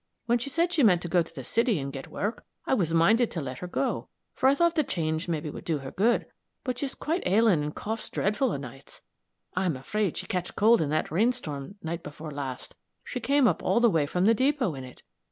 When she said she meant to go to the city and get work, I was minded to let her go, for I thought the change mebbe would do her good. But she's quite ailing and coughs dreadful o' nights. I'm afraid she catched cold in that rain storm night afore last; she came up all the way from the depot in it.